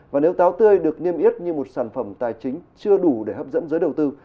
và nếu táo tươi được niêm yết như một sản phẩm tài chính chưa đủ để hấp dẫn giới đầu tư